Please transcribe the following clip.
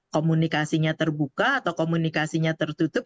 komunikasinya terbuka atau komunikasinya tertutup